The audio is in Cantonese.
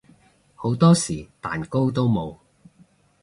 好多時蛋糕都冇